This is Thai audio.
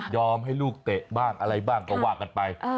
ให้ลูกเตะบ้างอะไรบ้างก็ว่ากันไป